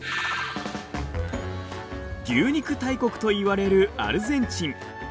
牛肉大国といわれるアルゼンチン。